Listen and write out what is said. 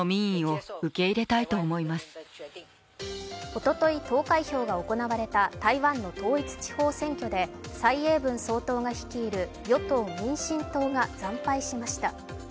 おととい投開票が行われた台湾の統一地方選挙で、蔡英文総統が率いる与党・民進党が惨敗しました。